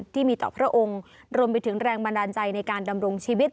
ที่มีต่อพระองค์รวมไปถึงแรงบันดาลใจในการดำรงชีวิต